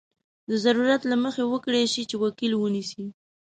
د ضرورت له مخې وکړای شي چې وکیل ونیسي.